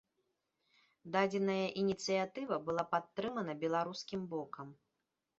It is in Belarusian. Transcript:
Дадзеная ініцыятыва была падтрымана беларускім бокам.